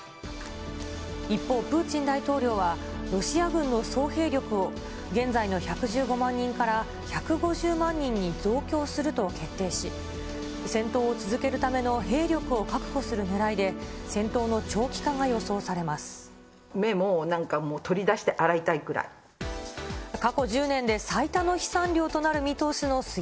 一方、プーチン大統領はロシア軍の総兵力を、現在の１１５万人から、１５０万人に増強すると決定し、戦闘を続けるための兵力を確保するねらいで、目もなんかもう、取り出してさぁしあわせをシェアしよう。